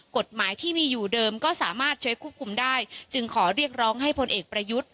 กฎหมายที่มีอยู่เดิมก็สามารถช่วยควบคุมได้จึงขอเรียกร้องให้พลเอกประยุทธ์